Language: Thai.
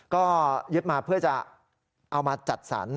ก็ยึดมาเพื่อจะเอามาจัดสรร